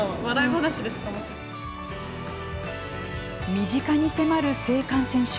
身近に迫る性感染症。